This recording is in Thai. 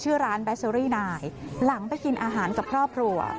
ชื่อร้านแบเซอรี่นายหลังไปกินอาหารกับครอบครัว